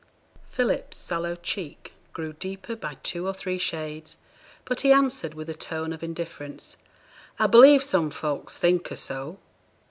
Philip's sallow cheek grew deeper by two or three shades; but he answered with a tone of indifference, 'I believe some folks think her so.'